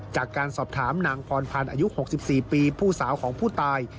จากการสอบถามนางพรพันธ์อายุ๖๔ปีผู้สาวของผู้ตาย